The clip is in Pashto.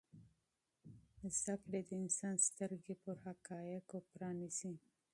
علم د انسان سترګې پر حقایضو پرانیزي.